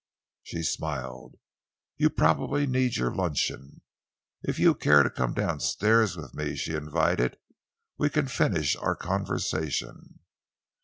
She smiled. "You probably need your luncheon! If you care to come downstairs with me," she invited, "we can finish our conversation."